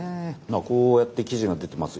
こうやって記事が出てます